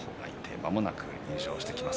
まもなく入場してきます。